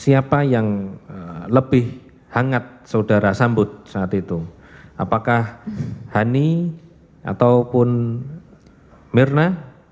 siapa yang lebih hangat saudara sambut saat itu apakah hani ataupun mirna